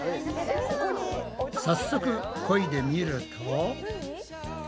早速こいでみると。